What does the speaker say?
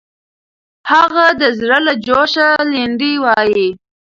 هغه د زړه له جوشه لنډۍ وایي.